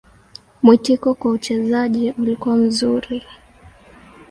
Mwitikio kwa uchezaji ulikuwa mzuri.